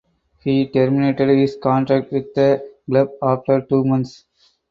He terminated his contract with the club after two months.